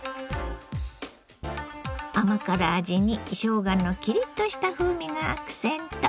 甘辛味にしょうがのキリッとした風味がアクセント。